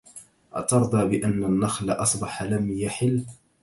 أترضى بأن النخل أصبح لم يحل